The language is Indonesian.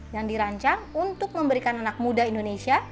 yang dirancang untuk memberikan anak muda indonesia